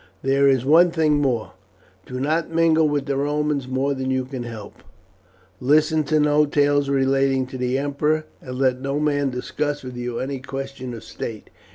There is one thing more: do not mingle with the Romans more than you can help; listen to no tales relating to the emperor, and let no man discuss with you any question of state.